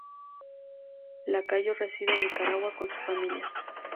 Lacayo reside en Nicaragua con su familia.